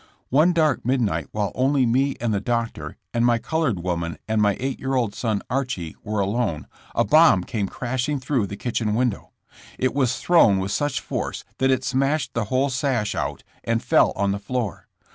One dark midnight while only me and the doctor, and my colored woman and my eight year old son, Archie, were alone, a bomb C£ime crashing through the kitchen window. It was thrown with such force that it smashed the whole sash out and fell on the floor.